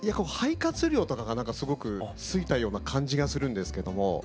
肺活量とかが何かすごくついたような感じがするんですけども。